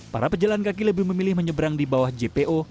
para pejalan kaki lebih memilih menyeberang di bawah jpo